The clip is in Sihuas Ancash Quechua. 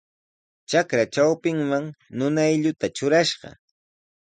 Trakra trawpinman nunaylluta trurashqa.